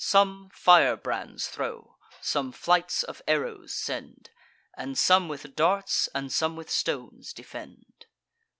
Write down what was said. Some firebrands throw, some flights of arrows send; And some with darts, and some with stones defend.